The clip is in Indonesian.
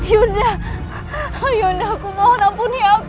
yunda yunda aku mohon ampuni aku